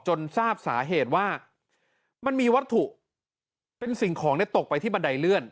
ทราบสาเหตุว่ามันมีวัตถุเป็นสิ่งของตกไปที่บันไดเลื่อน